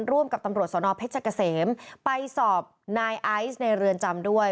ร่วมกับตำรวจสนเพชรเกษมไปสอบนายไอซ์ในเรือนจำด้วย